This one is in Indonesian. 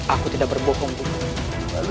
aku tidak berbohong dulu